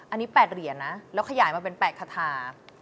อันนี้๘เหรียญนะแล้วขยายมาเป็น๘คาทา